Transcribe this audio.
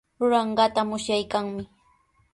Ruranqaata musyaykanmi.